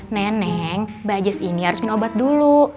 neneng bajas ini harus minum obat dulu